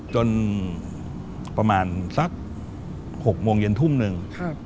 จนประมาณสัก๖โมงเย็นทุ่มหนึ่ง